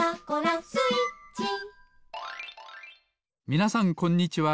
みなさんこんにちは。